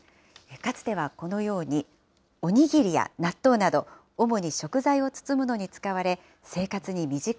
かつてはこのように、お握りや納豆など、主に食材を包むのに使わ